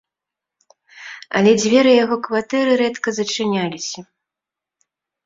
Але дзверы яго кватэры рэдка зачыняліся.